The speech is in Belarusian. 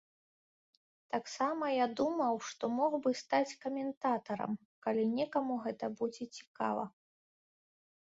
Таксама я думаў, што мог бы стаць каментатарам, калі некаму гэта будзе цікава.